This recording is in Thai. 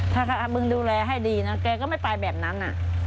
ถ้ามึงดูแลให้ดีนะแกก็ไม่ไปแบบนั้น